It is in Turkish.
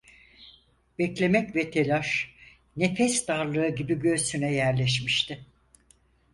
Beklemek ve telaş, nefes darlığı gibi göğsüne yerleşmişti.